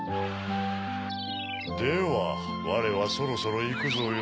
ではわれはそろそろいくぞよ。